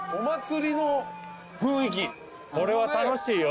これは楽しいよ。